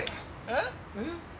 えっ！？